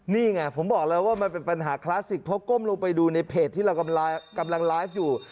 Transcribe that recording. นี่ไงผมบอกแล้วว่ามันเป็นปัญหาคลาสสิกเพราะก้มลงไปดูในเพจที่เรากำลังไลฟ์อยู่